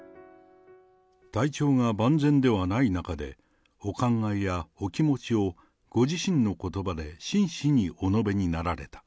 体調が万全ではない中で、お考えやお気持ちをご自身のことばで真摯にお述べになられた。